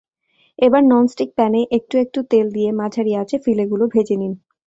এবার ননস্টিক প্যানে একটু একটু তেল দিয়ে মাঝারি আঁচে ফিলেগুলো ভেজে নিন।